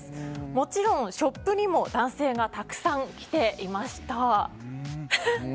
もちろんショップにも男性がたくさん来ていました。